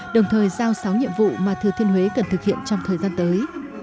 đồng thời giao sáu nhiệm vụ mà thừa thiên huế cần thực hiện trong thời gian tới